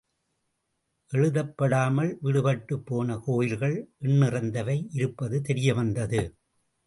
எழுதப்படாமல் விடுபட்டுப் போன கோயில்கள் எண்ணிறந்தவை இருப்பது தெரியவந்தது.